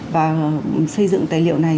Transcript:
và xây dựng tài liệu này